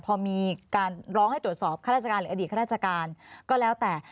พอมีการร้องให้ตรวจสอบข้าราชการหรืออดีตข้าราชการก็แล้วแต่